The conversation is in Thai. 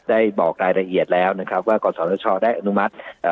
ได้บอกรายละเอียดแล้วนะครับว่ากศนชอได้อนุมัติเอ่อ